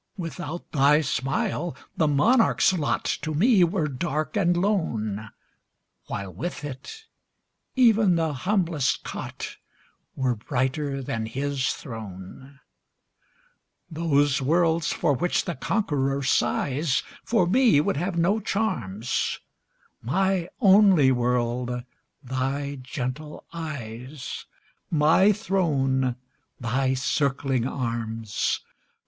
Without thy smile, the monarch's lot To me were dark and lone, While, with it, even the humblest cot Were brighter than his throne. Those worlds for which the conqueror sighs For me would have no charms; My only world thy gentle eyes My throne thy circling arms!